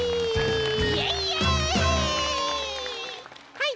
はい。